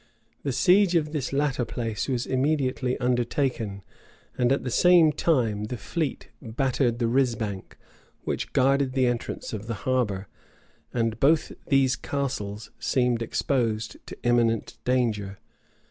The siege of this latter place was immediately undertaken, and at the same time the fleet battered the risbank, which guarded the entrance of the harbor; and both these castles seemed exposed to imminent danger.